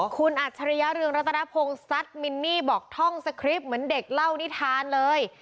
คุณอัจฉริยะเรืองรัตนพงศ์ซัดมินนี่บอกท่องสคริปต์เหมือนเด็กเล่านิทานเลย